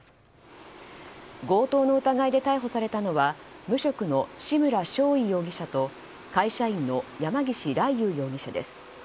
強盗の疑いで逮捕されたのは無職の志村尚緯容疑者と会社員の山岸莉夕容疑者です。